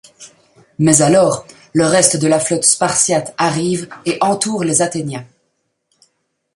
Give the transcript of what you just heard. Mais alors, le reste de la flotte spartiate arrive, et entoure les Athéniens.